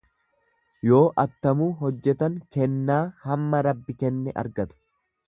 Yoo attamuu hojjetan kennaa hamma Rabbi kenne argatu.